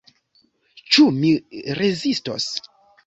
Ĉu mi rezistos?